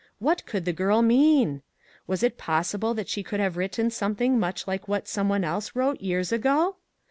What could the girl mean ? Was it possible that she could have written something much like what some one else wrote years ago?